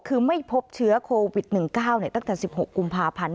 คือไม่พบเชื้อโควิด๑๙ตั้งแต่๑๖กุมภาพันธ์